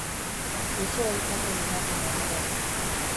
Usoei jaten ematen ari da.